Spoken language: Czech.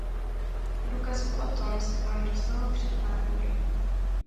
Důkazu o tom se vám dostalo před pár dny.